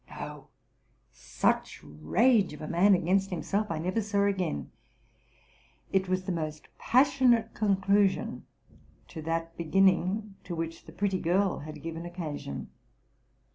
No! such rage of a man RELATING TO MY LIFE. S17 against himself I never saw again: it was the most passionate conclusion to that beginning to which the pretty girl had given occasion.